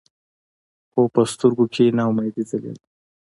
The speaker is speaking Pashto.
خو پۀ سترګو کښې ناامېدې ځلېده ـ